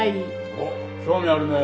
おっ興味あるね。